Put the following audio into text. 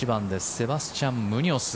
セバスチャン・ムニョス。